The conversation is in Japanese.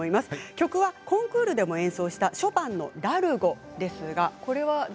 曲はコンクールでも演奏したショパンの「ラルゴ」です。